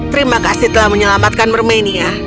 terima kasih telah menyelamatkan mermenia